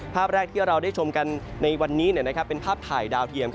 ภาพแรกที่เราได้ชมกันในวันนี้เป็นภาพถ่ายดาวเทียม